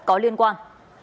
có liên quan